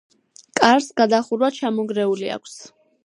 კარს გადახურვა ჩამონგრეული აქვს.